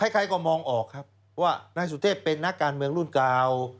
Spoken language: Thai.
ใครก็มองออกครับว่านายสุเทพเป็นนักการเมืองรุ่นเก่า